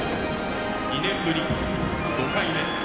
２年ぶり５回目。